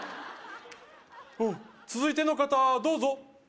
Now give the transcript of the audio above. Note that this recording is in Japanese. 「続いての方どうぞ」